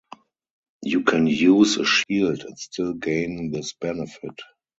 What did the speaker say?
You can use a shield and still gain this benefit.